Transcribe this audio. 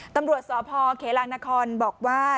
ตำรวจสพเขลางนครบอกว่า